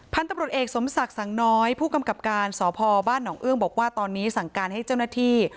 พันธุ์ตำรวจเอกสมศักดิ์สังน้อยผู้กำกับการสพบ้านหนองเอื้องบอกว่าตอนนี้สั่งการให้เจ้าหน้าที่